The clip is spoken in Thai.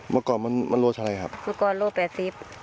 เมื่อก่อนมันโล่เฉลี่ยครับเมื่อก่อนโล่๘๐บาท